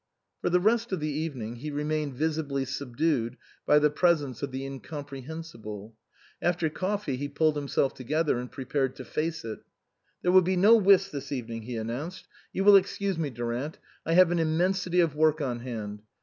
For the rest of the evening he remained visibly subdued by the presence of the incom prehensible ; after coffee he pulled himself together and prepared to face it. " There will be no whist this evening," he announced. " You will excuse me, Durant ; I have an immensity of work on hand.